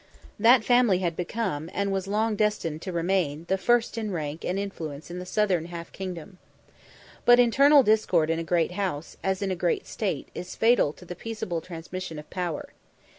That family had become, and was long destined to remain, the first in rank and influence in the southern half kingdom. But internal discord in a great house, as in a great state, is fatal to the peaceable transmission of power.